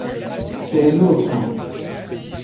C’est les nôtres.